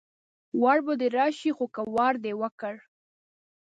وار به دې راشي خو که وار دې وکړ